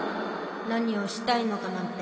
何をしたいのかなんて。